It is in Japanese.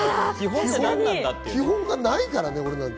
基本がないからね。